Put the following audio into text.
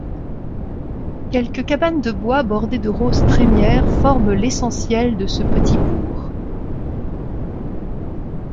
Quelques cabanes de bois bordées de roses trémières forment l'essentiel de ce petit bourg.